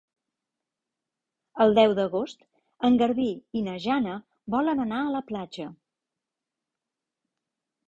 El deu d'agost en Garbí i na Jana volen anar a la platja.